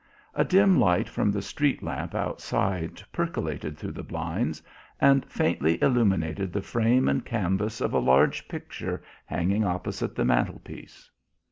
A dim light from the street lamp outside percolated through the blinds and faintly illuminated the frame and canvas of a large picture hanging opposite the mantlepiece.